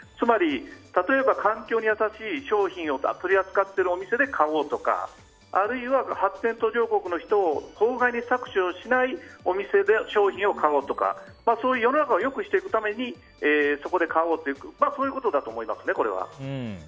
例えば環境に優しい商品を取り扱ってるお店で買おうとかあるいは発展途上国の人を搾取をしないお店で商品を買おうとか世の中を良くしていくためにそこで買おうっていうことだと思いますね。